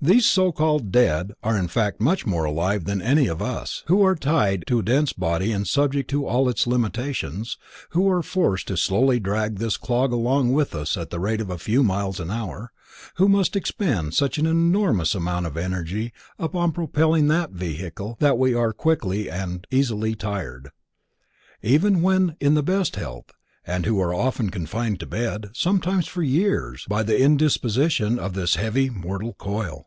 These so called "dead" are in fact much more alive than any of us, who are tied to a dense body and subject to all its limitations, who are forced to slowly drag this clog along with us at the rate of a few miles an hour, who must expend such an enormous amount of energy upon propelling that vehicle that we are easily and quickly tired, even when in the best of health and who are often confined to a bed, sometimes for years, by the indisposition of this heavy mortal coil.